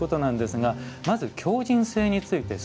まず、強じん性について。